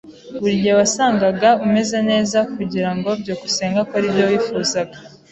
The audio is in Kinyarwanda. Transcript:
Buri gihe wasangaga umeze neza kugirango byukusenge akore ibyo wifuzaga.